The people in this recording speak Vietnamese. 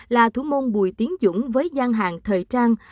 là thủ môn bùi tiến dũng với gian hàng thời trang